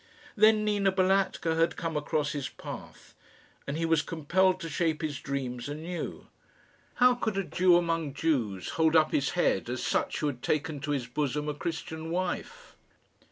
Then Nina Balatka had come across his path, and he was compelled to shape his dreams anew. How could a Jew among Jews hold up his head as such who had taken to his bosom a Christian wife?